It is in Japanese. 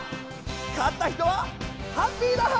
勝った人はハッピーだ！